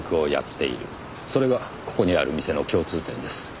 それがここにある店の共通点です。